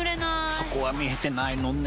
そこは見えてないのね。